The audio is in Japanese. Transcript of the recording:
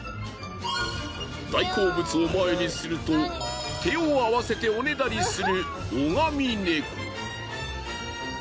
大好物を前にすると手を合わせておねだりする。